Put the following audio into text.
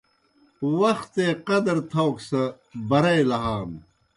وختے قدر تھاؤک سہ برَئی لہانوْ